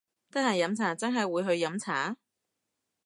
得閒飲茶真係會去飲茶！？